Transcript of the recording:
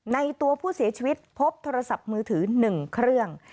ในตัวผู้เสียชีวิตพบโทรศัพท์มือถือ๑เครื่อง